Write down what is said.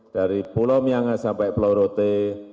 dari pulau myangas sampai pulau rote